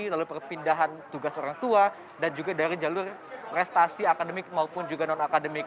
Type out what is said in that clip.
lalu perpindahan tugas orang tua dan juga dari jalur prestasi akademik maupun juga non akademik